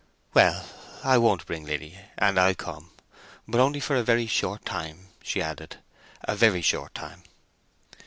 "Well, I won't bring Liddy—and I'll come. But only for a very short time," she added; "a very short time."